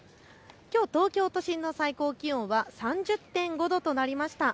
きょう東京都心の最高気温は３０．５度となりました。